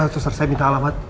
suster saya minta alamat